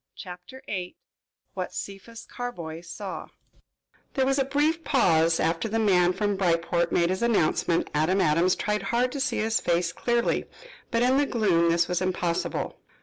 CHAPTER VIII WHAT CEPHAS CARBOY SAW There was a brief pause after the man from Bryport made his announcement. Adam Adams tried hard to see his face clearly, but in the gloom this was impossible.